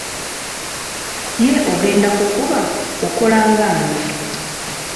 Ye ogenda kuba okola ng'ani?